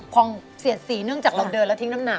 พองเสียดสีเนื่องจากเราเดินแล้วทิ้งน้ำหนัก